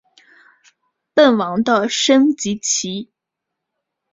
奔王的升级棋。